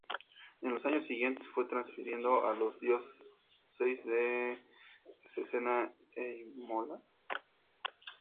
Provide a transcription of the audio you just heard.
En los años siguientes fue transferido a la diócesis de Cesena e Imola.